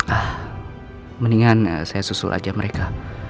ah mendingan saya susul aja mereka